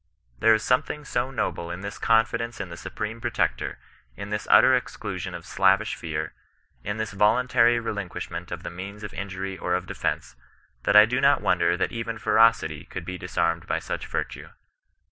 There is something so noble in this confidence in the Supreme Protector, in this utter exclusion of ^ slavish fear,' in this voluntary relinquishment of the means of injury or of defence, that I do not wonder that even ferocity could be disarmed by such virtue.